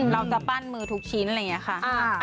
เราจะปั้นมือทุกชิ้นอะไรอย่างนี้ค่ะ